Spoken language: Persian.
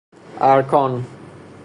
ارکان